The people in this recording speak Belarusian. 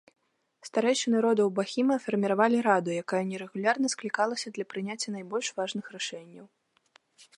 Старэйшыны родаў бахіма фарміравалі раду, якая нерэгулярна склікалася для прыняцця найбольш важных рашэнняў.